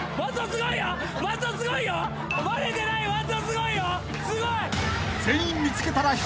すごい！